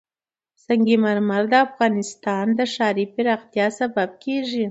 سنگ مرمر د افغانستان د ښاري پراختیا سبب کېږي.